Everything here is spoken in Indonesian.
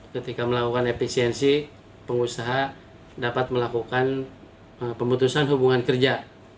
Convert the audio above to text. ketika melakukan efisiensi pengusaha dapat melakukan pemutusan hubungan kerja